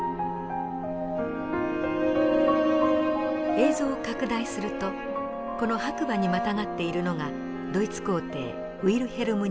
映像を拡大するとこの白馬にまたがっているのがドイツ皇帝ウィルヘルム２世。